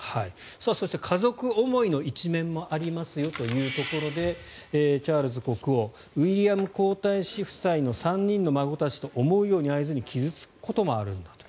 そして、家族思いの一面もありますよというところでチャールズ国王ウィリアム皇太子夫妻の３人の孫たちと思うように会えずに傷付くこともあるんだと。